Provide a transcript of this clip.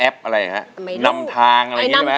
อะไรฮะนำทางอะไรอย่างนี้ใช่ไหม